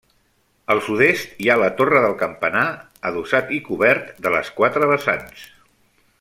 Al sud-est hi ha la torre del campanar, adossat i cobert de les quatre vessants.